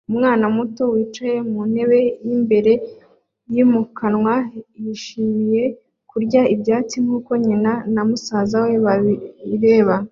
Umwana muto wicaye mu ntebe yimbere yimukanwa yishimira kurya ibyatsi nkuko nyina na musaza we babireba